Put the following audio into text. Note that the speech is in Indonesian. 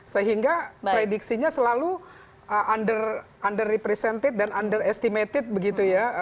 sehingga prediksinya selalu underrepresented dan underestimated begitu ya